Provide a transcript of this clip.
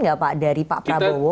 gak pak dari pak prabowo